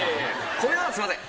これはすいません。